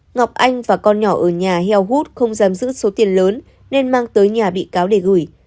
ngọc anh và con nhỏ ở nhà heo hút không giam giữ số tiền lớn nên mang tới nhà bị cáo để gửi